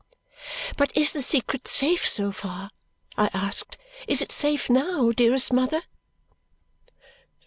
"But is the secret safe so far?" I asked. "Is it safe now, dearest mother?"